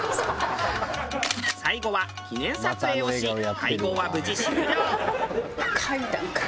最後は記念撮影をし会合は無事終了。